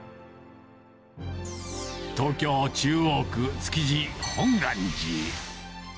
東京・中央区築地本願寺。